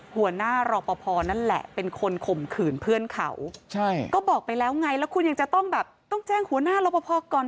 หัวหน้ารอปภนั่นแหละเป็นคนข่มขืนเพื่อนเขาแล้วคุณยังจังแบบต้องแจ้งหัวหน้ารอปภก่อน